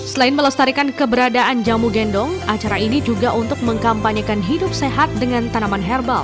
selain melestarikan keberadaan jamu gendong acara ini juga untuk mengkampanyekan hidup sehat dengan tanaman herbal